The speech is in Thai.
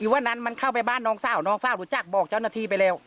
วันนั้นมันเข้าไปบ้านน้องสาวน้องสาวรู้จักบอกเจ้าหน้าที่ไปแล้ว